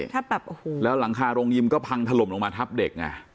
ใช่แล้วหลังคาโรงยิมก็พังถล่มลงมาทับเด็ก